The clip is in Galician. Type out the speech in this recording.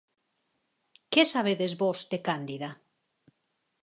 Que sabedes vós de Cándida?